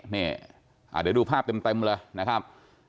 นี่เดี๋ยวดูภาพเต็มเลยนะครับ